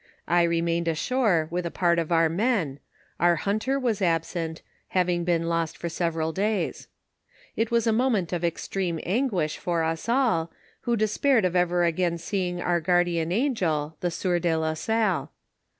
I re mained ashore with a part of our men : our hunter was absent, having been lost for some days. It was a moment of extreme anguish for us all, who despaired of ever again seeing our guardian angel, the sieur de la Salle.